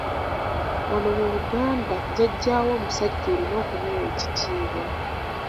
Wano mu Buganda Jjajjaawo omusajja olina okumuwa ekitiibwa.